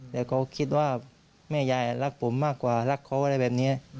แต่เขาคิดว่าแม่ยายรักผมมากกว่ารักเขาอะไรแบบนี้